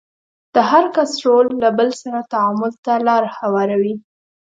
د هر کس رول له بل سره تعامل ته لار هواروي.